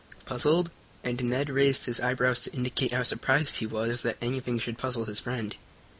"Puzzled?" and Ned raised his eyebrows to indicate how surprised he was that anything should puzzle his friend.